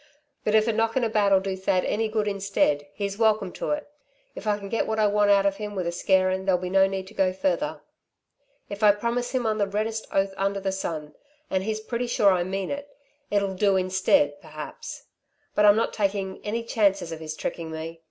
But if a knocking about'll do Thad any good instead, he's welcome to it. If I can get what I want out of him with a scarin' there'll be no need to go further. "If I promise him on the reddest oath under the sun, and he's pretty sure I mean it it'll do instead, perhaps. But I'm not taking any chances of his trickin' me.